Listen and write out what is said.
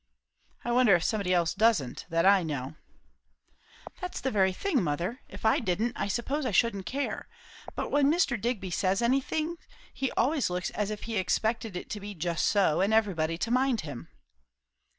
"I wonder if somebody else doesn't, that I know?" "That's the very thing, mother. If I didn't, I suppose I shouldn't care. But when Mr. Digby says anything, he always looks as if he expected it to be just so, and everybody to mind him."